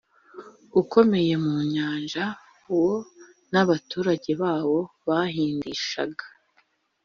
ukomeye mu nyanja wo n abaturage bawo bahindishaga